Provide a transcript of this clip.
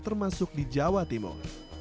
termasuk di jawa timur